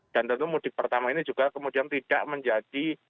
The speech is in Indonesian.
dan tentu mudik pertama ini juga kemudian tidak menjadi